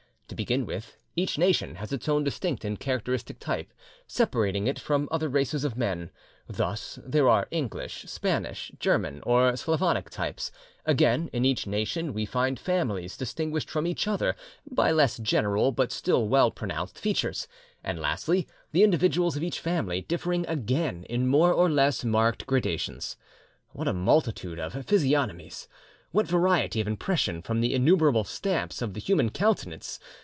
To begin with, each nation has its own distinct and characteristic type, separating it from other races of men. Thus there are the English, Spanish, German, or Slavonic types; again, in each nation we find families distinguished from each other by less general but still well pronounced features; and lastly, the individuals of each family, differing again in more or less marked gradations. What a multitude of physiognomies! What variety of impression from the innumerable stamps of the human countenance!